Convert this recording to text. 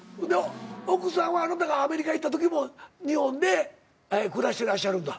奥さんはあなたがアメリカ行ったときも日本で暮らしてらっしゃるんだ？